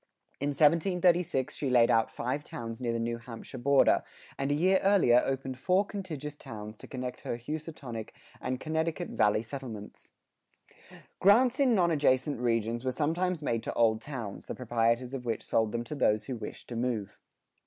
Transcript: In 1736 she laid out five towns near the New Hampshire border, and a year earlier opened four contiguous towns to connect her Housatonic and Connecticut Valley settlements.[76:1] Grants in non adjacent regions were sometimes made to old towns, the proprietors of which sold them to those who wished to move.